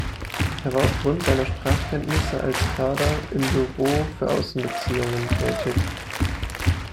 Er war aufgrund seiner Sprachkenntnisse als Kader im "Büro für Außenbeziehungen" tätig.